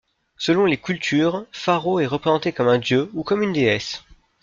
Selon les cultures, Fâro est représenté comme un dieu ou comme une déesse.